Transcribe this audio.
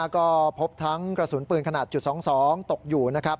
ก็พบทั้งกระสุนปืนขนาดจุด๒๒ตกอยู่นะครับ